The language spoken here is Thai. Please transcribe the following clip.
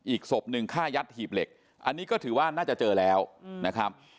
อีกศพหนึ่งฆ่ายัดหีบเหล็กอันนี้ก็ถือว่าน่าจะเจอแล้วนะครับ